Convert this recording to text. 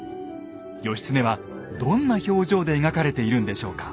義経はどんな表情で描かれているんでしょうか？